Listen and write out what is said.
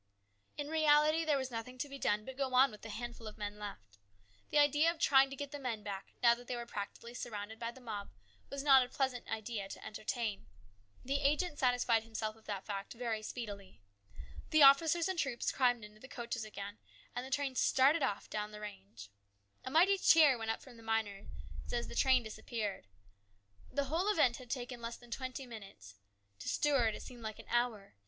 In reality there was nothing to be done but to go on with the handful of men left. The idea of trying to get the men back, now that they were practically surrounded by the mob, was not a pleasant idea to entertain. The agent satisfied himself of that fact very speedily. The officers and troops climbed into the coaches again, and the train started off down the range. A mighty cheer from the miners went up as the train disappeared. The whole event had taken less than twenty minutes. To Stuart it seemed like an hour.